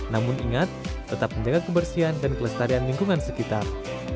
namun ingat tetap menjaga kebersihan dan kelestarian lingkungan sekitar